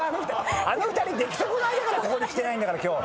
あの２人出来損ないだからここに来てないんだから今日。